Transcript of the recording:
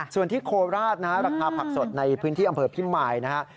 ส่วนที่โคราชนะฮะราคาผักสดในพื้นที่อำเภอพิมายนะฮะ